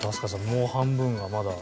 もう半分がまだ。